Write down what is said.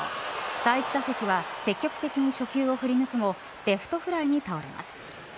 第１打席は積極的に初球を振り抜くもレフトフライに倒れます。